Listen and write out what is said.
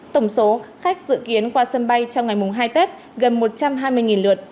tổng số khách dự kiến qua sân bay trong ngày mùng hai tết gần một trăm hai mươi lượt